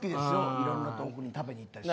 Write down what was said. いろんな所に食べに行ったりして。